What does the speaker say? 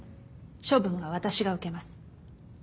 処分は私が受けます。